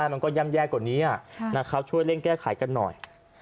มันก็ย่ำแยกกว่านี้อ่ะนะครับช่วยเล่นแก้ไขกันหน่อย